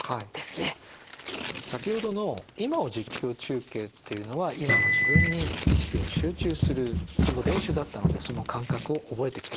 先ほどの「今を実況中継」っていうのは今の自分に意識を集中するその練習だったのでその感覚を覚えてきたわけです。